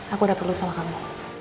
aku udah perlu sama kamu